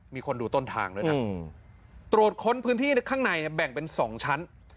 มีคนดูต้นทางด้วยนะตรวจค้นพื้นที่ข้างในเนี่ยแบ่งเป็น๒ชั้น